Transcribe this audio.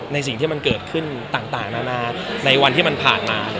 สิ่งที่มันเกิดขึ้นต่างนานาในวันที่มันผ่านมา